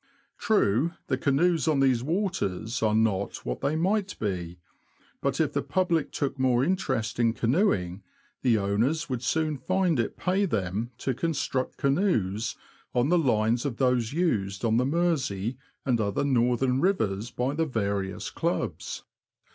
True, the canoes on these waters are not what they might be ; but if the public took more interest in canoeing, the owners would soon find it pay them to construct canoes on the lines of those used on the Mersey and other northern rivers by the various clubs.